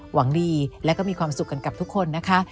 หวังดีและก็มีความสุขกันกับทุกคนนะคะ